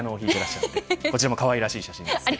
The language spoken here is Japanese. こちらも可愛らしい写真です。